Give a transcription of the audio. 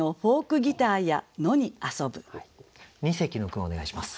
二席の句をお願いします。